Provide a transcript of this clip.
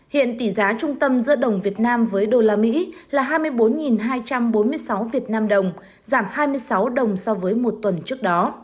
hiện tỷ giá trung tâm giữa đồng việt nam với đô la mỹ là hai mươi bốn hai trăm bốn mươi sáu việt nam đồng giảm hai mươi sáu đồng so với một tuần trước đó